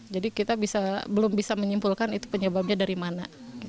jadi kita belum bisa menyimpulkan itu penyebabnya dari mana